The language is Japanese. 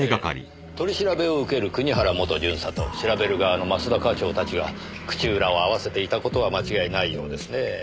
取り調べを受ける国原元巡査と調べる側の益田課長たちが口裏を合わせていた事は間違いないようですね。